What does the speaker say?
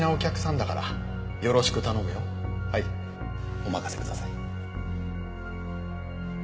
おまかせください。